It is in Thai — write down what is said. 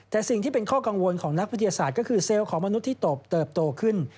แต่สิ่งที่เป็นข้อกังวลของนักวิทยาศาสตร์ก็คือเซลล์ของมนุษย์ที่ตบเติบโตขึ้น